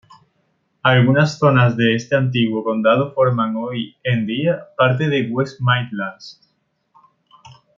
Algunas zonas de este antiguo condado forman hoy en día parte de West Midlands.